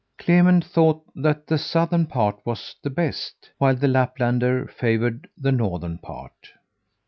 Clement thought that the southern part was the best, while the Laplander favoured the northern part.